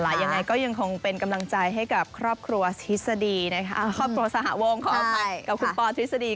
ยังไงก็ยังคงเป็นกำลังใจให้กับครอบครัวทฤษฎีนะคะครอบครัวสหวงขออภัยกับคุณปอทฤษฎี